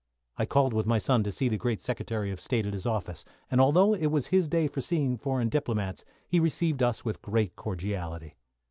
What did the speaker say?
I called with my son to see the great Secretary of State at his office, and although it was his day for seeing foreign diplomats, he received us with great cordiality.